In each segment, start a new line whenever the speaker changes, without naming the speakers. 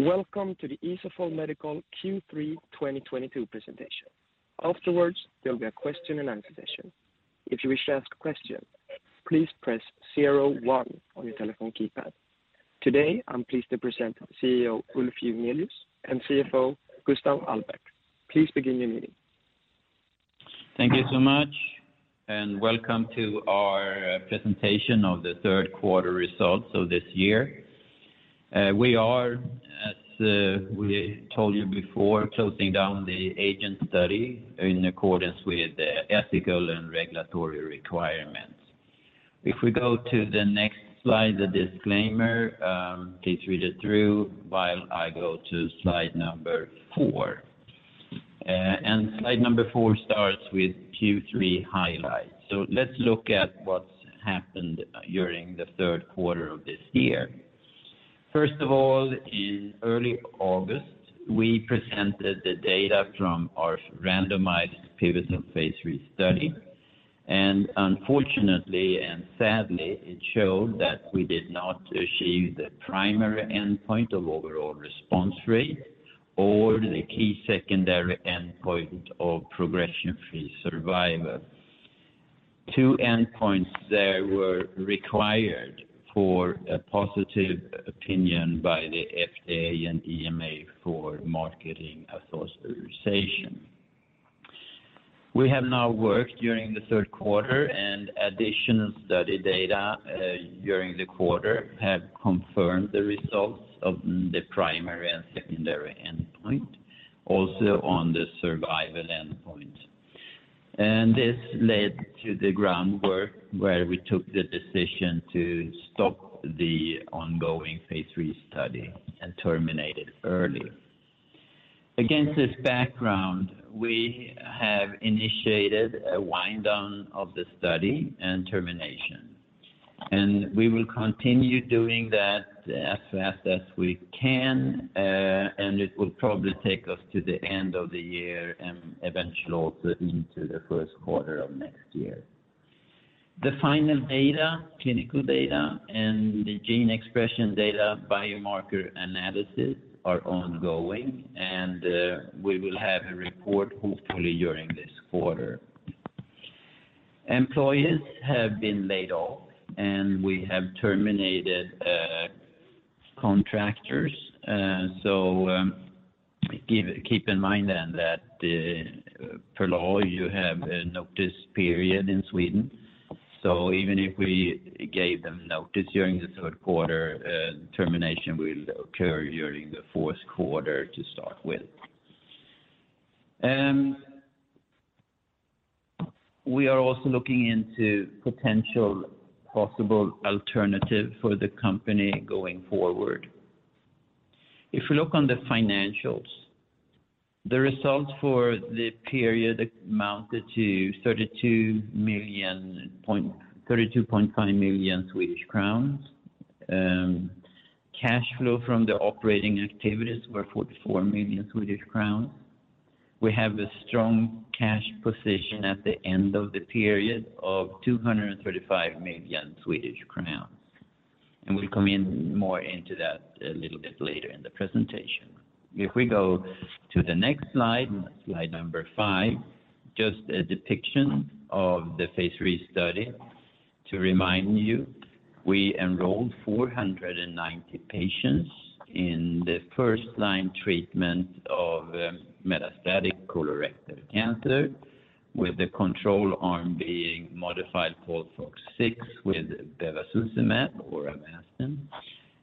Welcome to the Isofol Medical Q3 2022 Presentation. Afterwards, there'll be a question and answer session. If you wish to ask a question, please press zero one on your telephone keypad. Today, I'm pleased to present CEO Ulf Jungnelius and CFO Gustaf Albèrt. Please begin your meeting.
Thank you so much, and welcome to our presentation of the third quarter results of this year. We are, as we told you before, closing down the AGENT study in accordance with ethical and regulatory requirements. If we go to the next slide, the disclaimer, please read it through while I go to slide number 4. Slide number 4 starts with Q3 highlights. Let's look at what's happened during the third quarter of this year. First of all, in early August, we presented the data from our randomized pivotal phase III study. Unfortunately and sadly, it showed that we did not achieve the primary endpoint of overall response rate or the key secondary endpoint of progression-free survival. Two endpoints there were required for a positive opinion by the FDA and EMA for marketing authorization. We have now worked during the third quarter, and additional study data during the quarter have confirmed the results of the primary and secondary endpoint, also on the survival endpoint. This led to the groundwork where we took the decision to stop the ongoing phase III study and terminate it early. Against this background, we have initiated a wind down of the study and termination, and we will continue doing that as fast as we can, and it will probably take us to the end of the year and eventually into the first quarter of next year. The final data, clinical data, and the gene expression data biomarker analysis are ongoing, and we will have a report hopefully during this quarter. Employees have been laid off, and we have terminated contractors. Keep in mind then that per law, you have a notice period in Sweden. Even if we gave them notice during the third quarter, termination will occur during the fourth quarter to start with. We are also looking into potential possible alternative for the company going forward. If you look on the financials, the results for the period amounted to 32.5 million Swedish crowns. Cash flow from the operating activities were 44 million Swedish crowns. We have a strong cash position at the end of the period of 235 million Swedish crowns, and we'll come in more into that a little bit later in the presentation. If we go to the next slide number 5, just a depiction of the phase III study to remind you, we enrolled 490 patients in the first-line treatment of metastatic colorectal cancer, with the control arm being modified FOLFOX6 with bevacizumab or Avastin.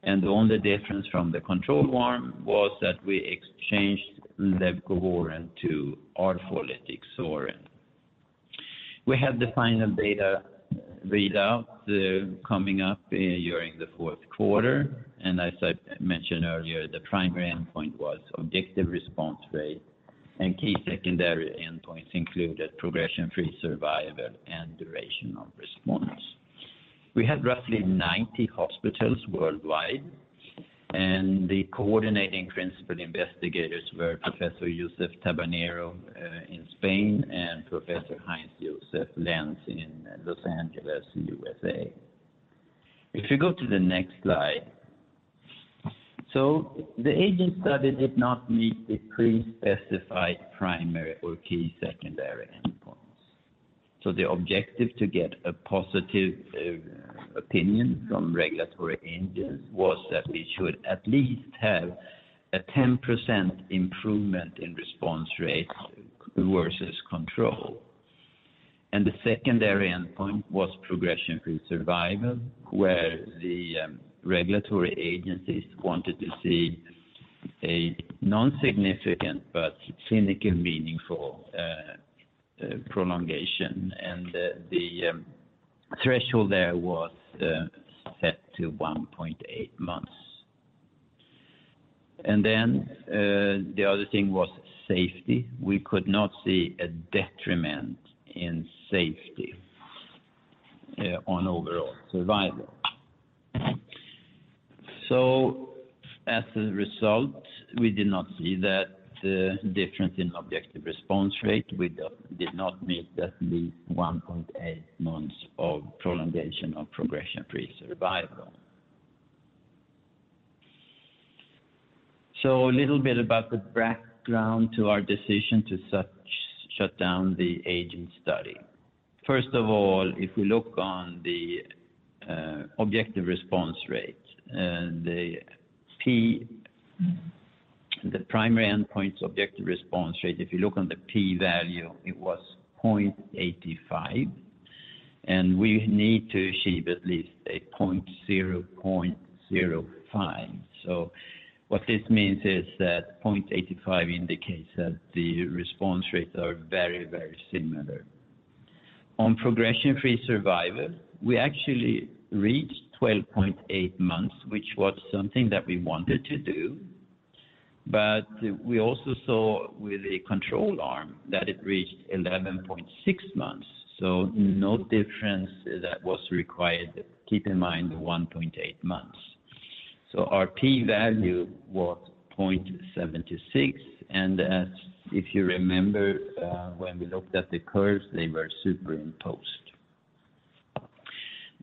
The only difference from the control arm was that we exchanged the leucovorin to arfolitixorin. We have the final data read out coming up during the fourth quarter. As I mentioned earlier, the primary endpoint was objective response rate, and key secondary endpoints included progression-free survival and duration of response. We had roughly 90 hospitals worldwide, and the coordinating principal investigators were Professor Josep Tabernero, in Spain and Professor Heinz-Josef Lenz in Los Angeles, USA. If you go to the next slide. The AGENT study did not meet the pre-specified primary or key secondary endpoints. The objective to get a positive opinion from regulatory agencies was that we should at least have a 10% improvement in response rate versus control. The secondary endpoint was progression-free survival, where the regulatory agencies wanted to see a non-significant but clinically meaningful prolongation. The threshold there was set to 1.8 months. The other thing was safety. We could not see a detriment in safety on overall survival. As a result, we did not see the difference in objective response rate. We did not meet at least 1.8 months of prolongation of progression-free survival. A little bit about the background to our decision to shut down the AGENT study. First of all, if we look on the objective response rate, and the P... The primary endpoint objective response rate, if you look at the P value, it was 0.85, and we need to achieve at least a 0.05. What this means is that 0.85 indicates that the response rates are very, very similar. On progression-free survival, we actually reached 12.8 months, which was something that we wanted to do. We also saw with a control arm that it reached 11.6 months. No difference that was required, keep in mind the 1.8 months. Our P value was 0.76. As if you remember, when we looked at the curves, they were superimposed.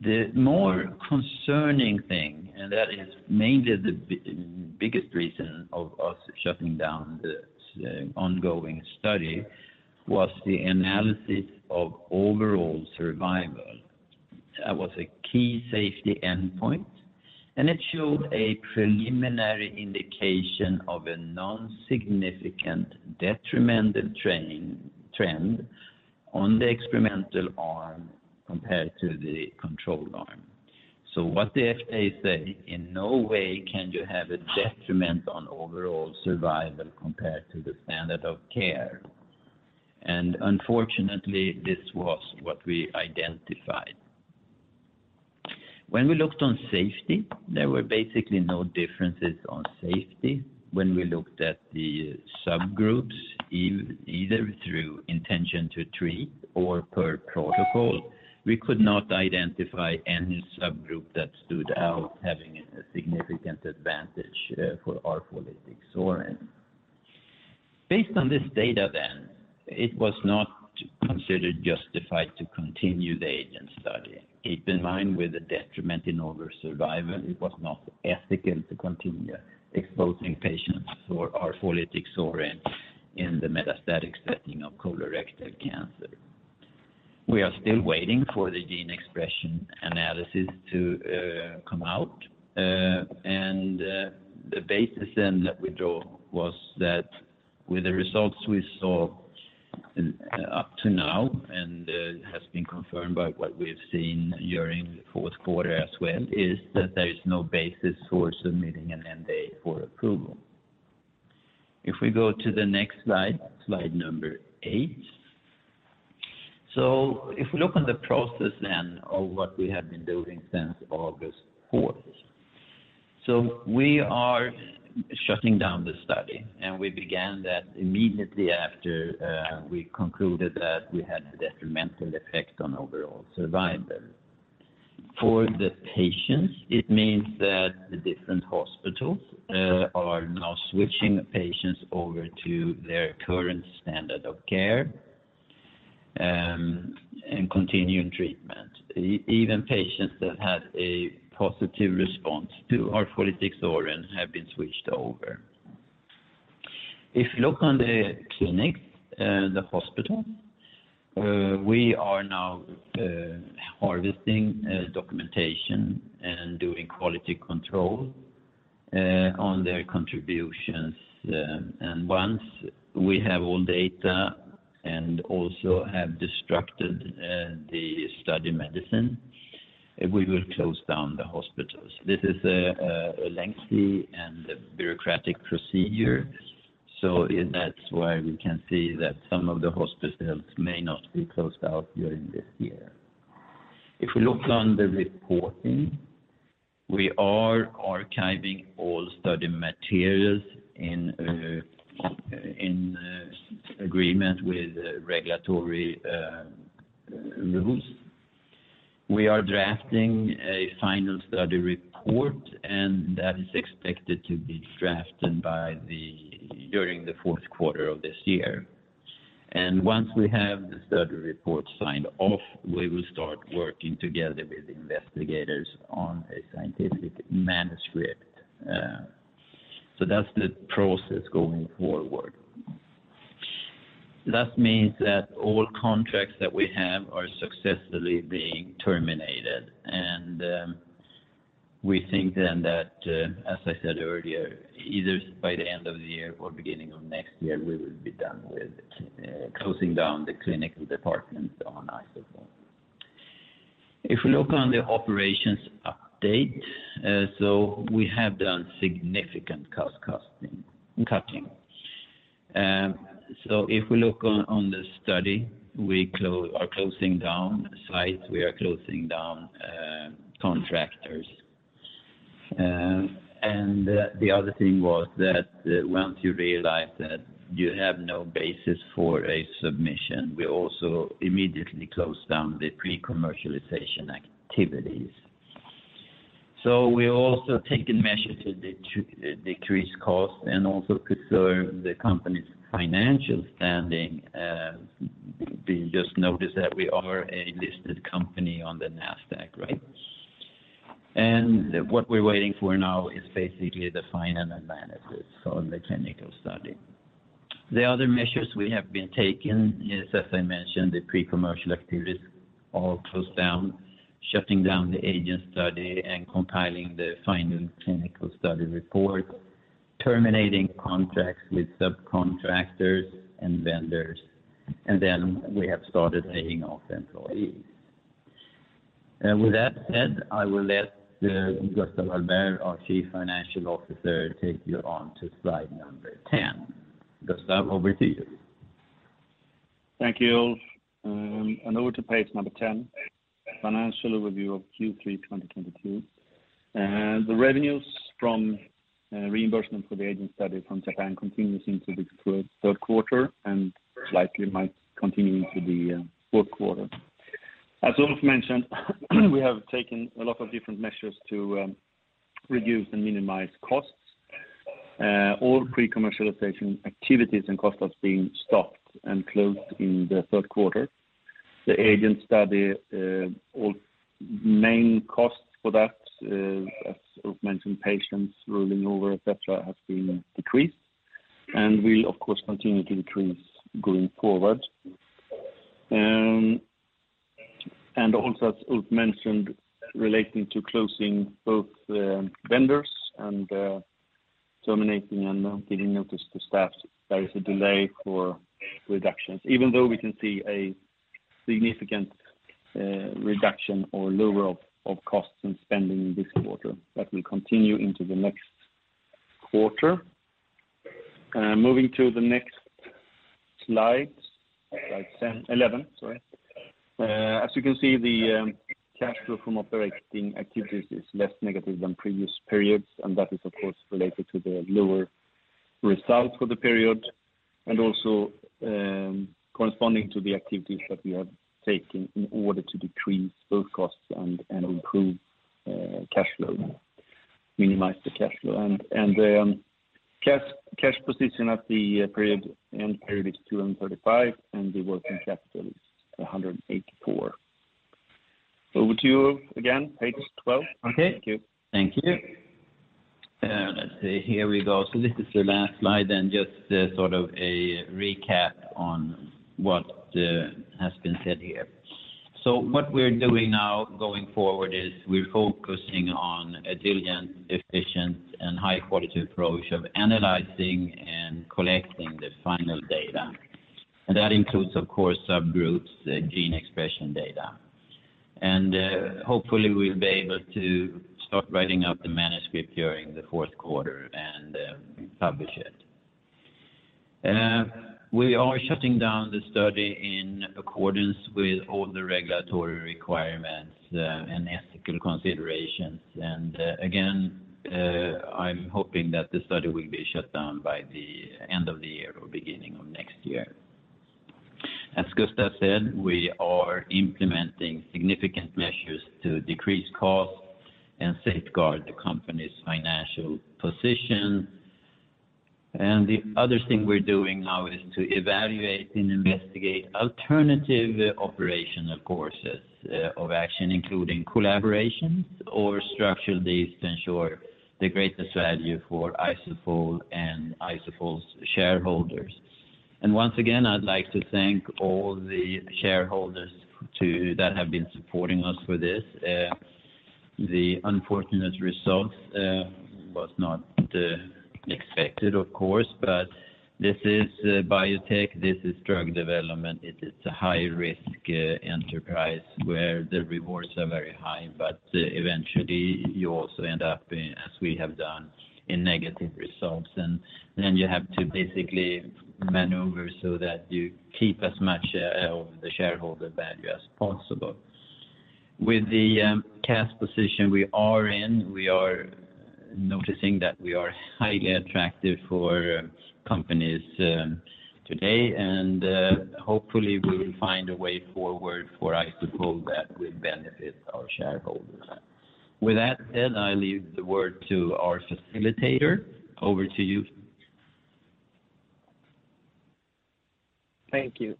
The more concerning thing, and that is mainly the biggest reason for us shutting down the ongoing study, was the analysis of overall survival. That was a key safety endpoint, and it showed a preliminary indication of a non-significant detrimental trend on the experimental arm compared to the control arm. What the FDA say, in no way can you have a detriment on overall survival compared to the standard of care. Unfortunately, this was what we identified. When we looked on safety, there were basically no differences on safety when we looked at the subgroups either through intention-to-treat or per-protocol. We could not identify any subgroup that stood out having a significant advantage for arfolitixorin. Based on this data then, it was not considered justified to continue the AGENT study. Keep in mind, with the detriment in overall survival, it was not ethical to continue exposing patients for arfolitixorin in the metastatic setting of colorectal cancer. We are still waiting for the gene expression analysis to come out. The basis then that we draw was that with the results we saw up to now and has been confirmed by what we've seen during the fourth quarter as well, is that there is no basis for submitting an NDA for approval. If we go to the next slide number 8. If we look on the process then of what we have been doing since August 4th. We are shutting down the study, and we began that immediately after we concluded that we had a detrimental effect on overall survival. For the patients, it means that the different hospitals are now switching patients over to their current standard of care, and continuing treatment. Even patients that had a positive response to arfolitixorin have been switched over. If you look on the clinics, the hospital, we are now harvesting documentation and doing quality control on their contributions. Once we have all data and also have destroyed the study medicine, we will close down the hospitals. This is a lengthy and bureaucratic procedure. That's why we can see that some of the hospitals may not be closed out during this year. If we look on the reporting, we are archiving all study materials in agreement with regulatory rules. We are drafting a final study report, and that is expected to be drafted during the fourth quarter of this year. Once we have the study report signed off, we will start working together with investigators on a scientific manuscript. That's the process going forward. That means that all contracts that we have are successfully being terminated. We think then that, as I said earlier, either by the end of the year or beginning of next year, we will be done with closing down the clinical departments on Isofol. If we look on the operations update, we have done significant cost cutting. If we look on the study, we are closing down sites, we are closing down contractors. The other thing was that once you realize that you have no basis for a submission, we also immediately closed down the pre-commercialization activities. We're also taking measures to decrease cost and also preserve the company's financial standing. We just noticed that we are a listed company on the Nasdaq, right? What we're waiting for now is basically the final manuscript on the clinical study. The other measures we have been taking is, as I mentioned, the pre-commercial activities all closed down, shutting down the AGENT study and compiling the final clinical study report, terminating contracts with subcontractors and vendors, and then we have started laying off employees. With that said, I will let Gustaf Albèrt, our Chief Financial Officer, take you on to slide number 10. Gustaf, over to you.
Thank you, Ulf. Over to page number ten, financial review of Q3 2022. The revenues from reimbursement for the AGENT study from Japan continues into the third quarter and likely might continue into the fourth quarter. As Ulf mentioned, we have taken a lot of different measures to reduce and minimize costs. All pre-commercialization activities and costs have been stopped and closed in the third quarter. The AGENT study, all main costs for that, as Ulf mentioned, patients rolling over, et cetera, has been decreased and will, of course, continue to decrease going forward. As Ulf mentioned, relating to closing both vendors and terminating and giving notice to staff, there is a delay for reductions. Even though we can see a significant reduction or lower of costs and spending in this quarter, that will continue into the next quarter. Moving to the next slide 10, 11, sorry. As you can see, the cash flow from operating activities is less negative than previous periods, and that is, of course, related to the lower results for the period and also corresponding to the activities that we have taken in order to decrease both costs and improve cash flow, minimize the cash flow. Cash position at the period end is 235, and the working capital is 184. Over to you again, page 12.
Okay.
Thank you.
Thank you. Let's see. Here we go. This is the last slide then, just sort of a recap on what has been said here. What we're doing now going forward is we're focusing on a diligent, efficient, and high-quality approach of analyzing and collecting the final data. That includes, of course, subgroups, the gene expression data. Hopefully, we'll be able to start writing up the manuscript during the fourth quarter and publish it. We are shutting down the study in accordance with all the regulatory requirements and ethical considerations. Again, I'm hoping that the study will be shut down by the end of the year or beginning of next year. As Gustaf said, we are implementing significant measures to decrease costs and safeguard the company's financial position. The other thing we're doing now is to evaluate and investigate alternative operational courses of action, including collaborations or structured deals to ensure the greatest value for Isofol and Isofol's shareholders. Once again, I'd like to thank all the shareholders that have been supporting us for this. The unfortunate results was not expected, of course, but this is biotech, this is drug development. It is a high-risk enterprise where the rewards are very high, but eventually you also end up in, as we have done, in negative results. Then you have to basically maneuver so that you keep as much of the shareholder value as possible. With the cash position we are in, we are noticing that we are highly attractive for companies today. Hopefully, we will find a way forward for Isofol that will benefit our shareholders. With that said, I leave the word to our facilitator. Over to you.
Thank you.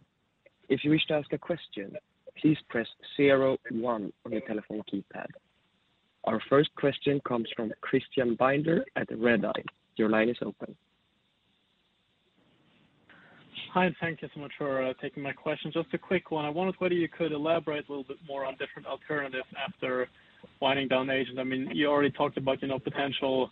If you wish to ask a question, please press zero and one on your telephone keypad. Our first question comes from Christian Binder at Redeye. Your line is open.
Hi, and thank you so much for taking my question. Just a quick one. I wondered whether you could elaborate a little bit more on different alternatives after winding down the AGENT. I mean, you already talked about, you know, potential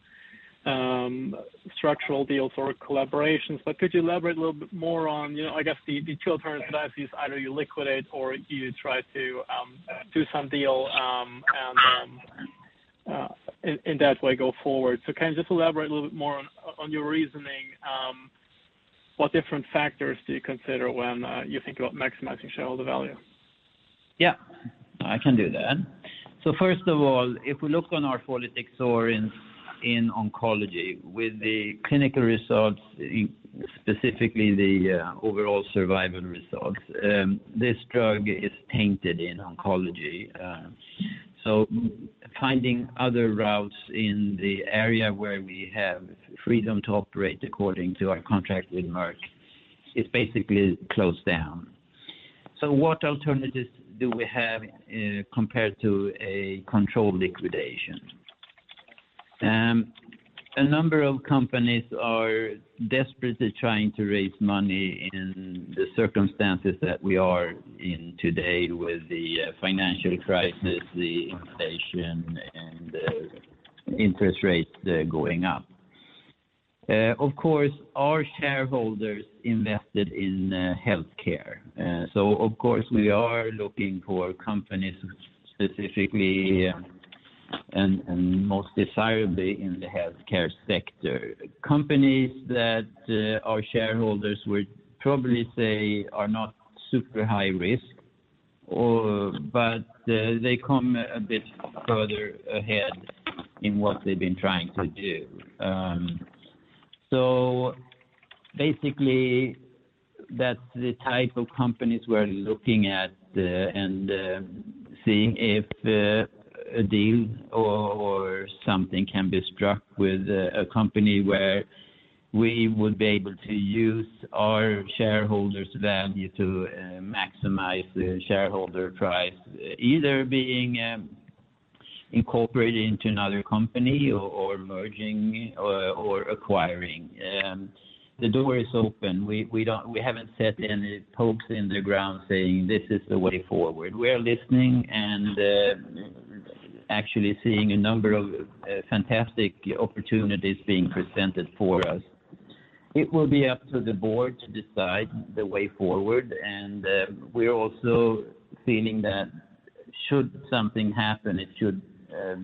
structural deals or collaborations, but could you elaborate a little bit more on, you know, I guess the two alternatives is either you liquidate or you try to do some deal and in that way go forward. Can you just elaborate a little bit more on your reasoning, what different factors do you consider when you think about maximizing shareholder value?
Yeah, I can do that. First of all, if we look on our pipeline in oncology with the clinical results, specifically the overall survival results, this drug is tainted in oncology. Finding other routes in the area where we have freedom to operate according to our contract with Merck is basically closed down. What alternatives do we have compared to a controlled liquidation? A number of companies are desperately trying to raise money in the circumstances that we are in today with the financial crisis, the inflation, and the interest rates going up. Of course, our shareholders invested in healthcare. We are looking for companies specifically and most desirably in the healthcare sector. Companies that our shareholders would probably say are not super high risk, but they come a bit further ahead in what they've been trying to do. Basically, that's the type of companies we're looking at, and seeing if a deal or something can be struck with a company where we would be able to use our shareholders' value to maximize the shareholder price, either being incorporated into another company or merging or acquiring. The door is open. We haven't set any stakes in the ground saying this is the way forward. We are listening and actually seeing a number of fantastic opportunities being presented for us. It will be up to the board to decide the way forward. We're also feeling that should something happen, it should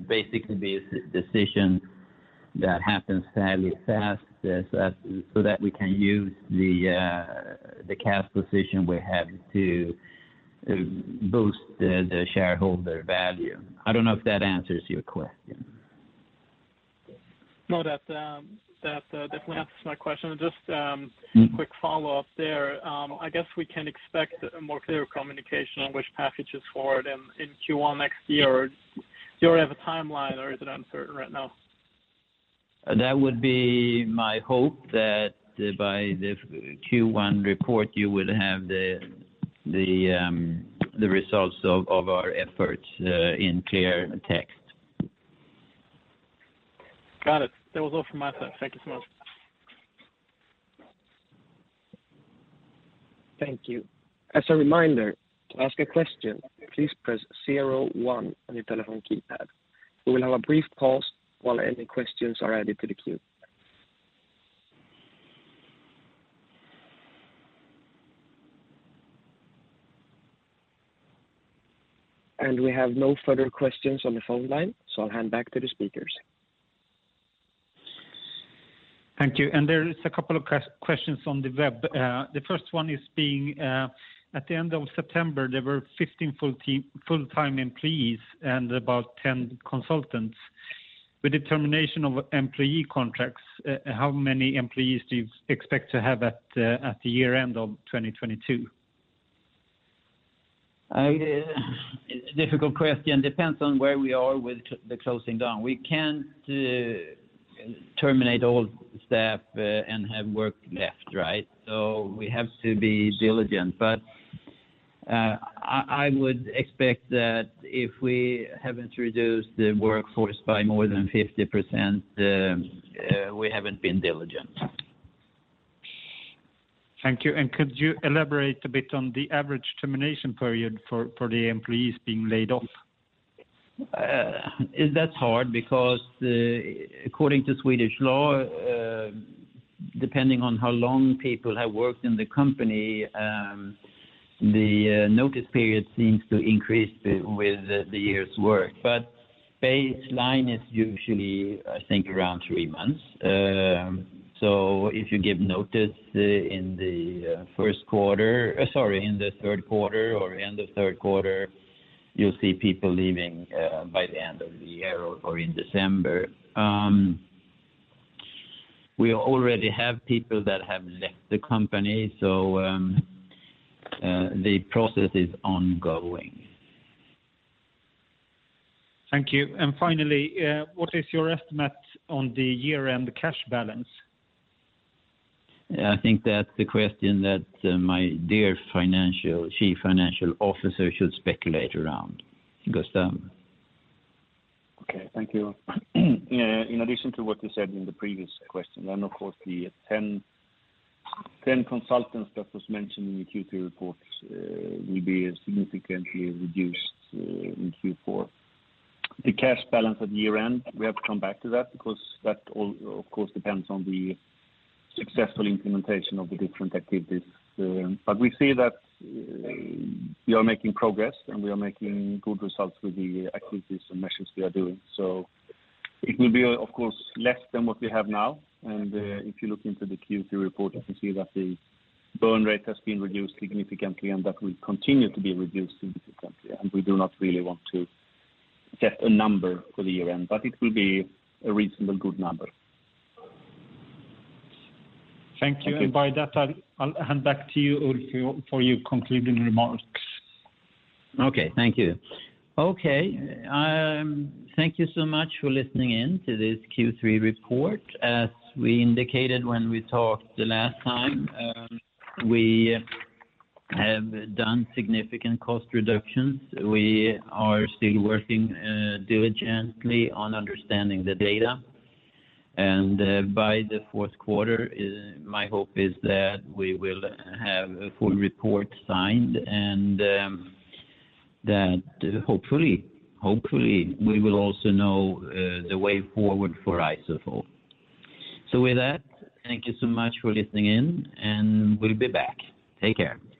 basically be a decision that happens fairly fast so that we can use the cash position we have to boost the shareholder value. I don't know if that answers your question.
No, that definitely answers my question. Just quick follow-up there. I guess we can expect a more clear communication on which path you choose forward in Q1 next year. Do you have a timeline or is it uncertain right now?
That would be my hope that by the Q1 report, you will have the results of our efforts in clear text.
Got it. That was all from my side. Thank you so much.
Thank you. As a reminder, to ask a question, please press zero one on your telephone keypad. We will have a brief pause while any questions are added to the queue. We have no further questions on the phone line, so I'll hand back to the speakers.
Thank you. There is a couple of questions on the web. The first one is at the end of September, there were 15 full-time employees and about 10 consultants. With the termination of employee contracts, how many employees do you expect to have at the year-end of 2022?
Difficult question. Depends on where we are with the closing down. We can't terminate all staff and have work left, right? We have to be diligent. I would expect that if we haven't reduced the workforce by more than 50%, we haven't been diligent.
Thank you. Could you elaborate a bit on the average termination period for the employees being laid off?
That's hard because, according to Swedish law, depending on how long people have worked in the company, the notice period seems to increase with the years worked. Baseline is usually, I think, around three months. If you give notice in the third quarter or end of third quarter, you'll see people leaving by the end of the year or in December. We already have people that have left the company, so the process is ongoing.
Thank you. Finally, what is your estimate on the year-end cash balance?
I think that's the question that my dear financial, Chief Financial Officer should speculate around. Gustaf.
Okay, thank you. In addition to what you said in the previous question, then, of course, the 10 consultants that was mentioned in the Q2 report will be significantly reduced in Q4. The cash balance at year-end, we have to come back to that because that all, of course, depends on the successful implementation of the different activities. We see that we are making progress, and we are making good results with the activities and measures we are doing. It will be, of course, less than what we have now. If you look into the Q3 report, you can see that the burn rate has been reduced significantly and that will continue to be reduced significantly. We do not really want to get a number for the year-end, but it will be a reasonable good number.
Thank you. By that, I'll hand back to you, Ulf, for your concluding remarks.
Okay, thank you. Okay, thank you so much for listening in to this Q3 report. As we indicated when we talked the last time, we have done significant cost reductions. We are still working diligently on understanding the data. By the fourth quarter, my hope is that we will have a full report signed and that hopefully we will also know the way forward for Isofol. With that, thank you so much for listening in, and we'll be back. Take care.
Thank you.